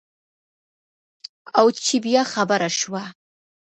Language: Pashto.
او چې بیا خبره شوه.